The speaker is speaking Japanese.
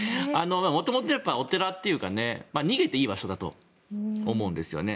元々お寺というか逃げていい場所だと思うんですよね。